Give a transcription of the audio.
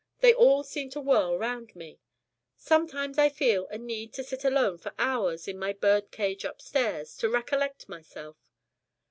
They all seem to whirl round me. Sometimes I feel a need to sit alone for hours in my bird cage upstairs, to recollect myself.